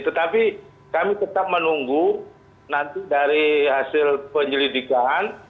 tetapi kami tetap menunggu nanti dari hasil penyelidikan